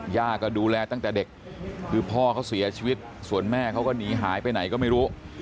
ย่าก็ดูแลตั้งแต่เด็กคือพ่อเขาเสียชีวิตส่วนแม่เขาก็หนีหายไปไหนก็ไม่รู้